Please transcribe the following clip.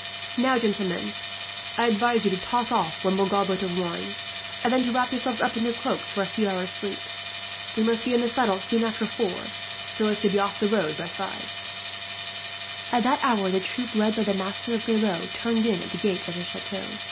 "Now, gentlemen, I advise you to toss off one more goblet of wine, and then to wrap yourselves up in your cloaks for a few hours' sleep. We must be in the saddle soon after four, so as to be off the road by five." At that hour the troop, led by the Master of Grelot, turned in at the gate of the chateau.